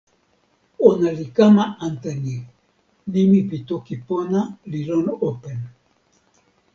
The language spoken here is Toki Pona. ona li kama ante ni: nimi pi toki pona li lon open.